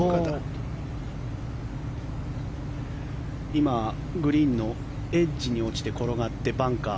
今、グリーンのエッジに落ちて転がってバンカー。